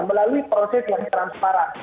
melalui proses yang transparan